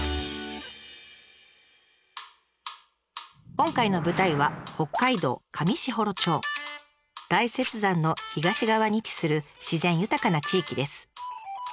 今回の舞台は大雪山の東側に位置する自然豊かな地域です。